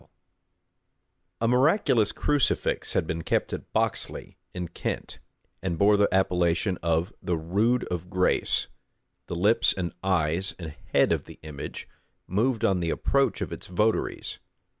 [*] A miraculous crucifix had been kept at Boxley, in Kent, and bore the appellation of the "rood of grace." The lips, and eyes, and head of the image moved on the approach of its votaries.